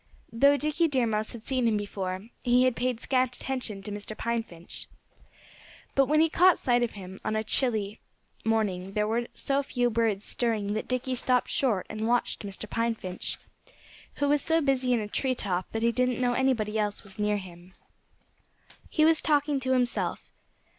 Though Dickie Deer Mouse had seen him before, he had paid scant attention to Mr. Pine Finch. But when he caught sight of him on a certain chilly morning there were so few birds stirring that Dickie stopped short and watched Mr. Pine Finch, who was so busy in a tree top that he didn't know anybody else was near him. He was talking to himself.